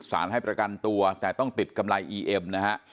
ให้ประกันตัวแต่ต้องติดกำไรอีเอ็มนะฮะ